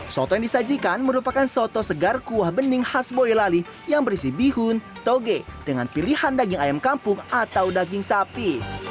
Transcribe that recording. soto yang disajikan merupakan soto segar kuah bening khas boyolali yang berisi bihun toge dengan pilihan daging ayam kampung atau daging sapi